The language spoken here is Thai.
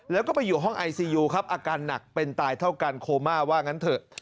แล้วก็ไปอยู่ห้องไอซียูครับอาการหนักเป็นตายเท่ากันโคม่าว่างั้นเถอะ